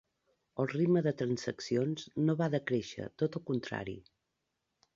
El ritme de transaccions no va decréixer, tot el contrari.